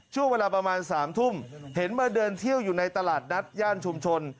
ช่วงเวลาประมาณ๓ทุ่มเห็นมาเดินเที่ยวอยู่ในตลาดนัดย่านชุมชน